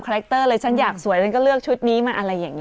แรคเตอร์เลยฉันอยากสวยฉันก็เลือกชุดนี้มาอะไรอย่างนี้